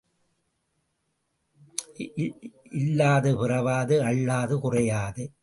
இல்லாது பிறவாது அள்ளாது குறையாது.